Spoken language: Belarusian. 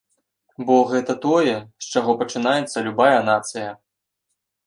Бо гэта тое, з чаго пачынаецца любая нацыя.